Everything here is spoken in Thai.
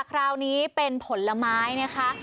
คราวนี้เป็นผลไม้นะคะ